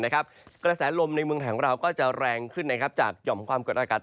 กระแสลมในเมืองไทยของเราก็จะแรงขึ้นจากหย่อมความกดอากาศ